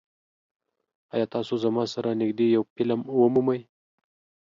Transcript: ایا تاسو زما سره نږدې یو فلم ومومئ؟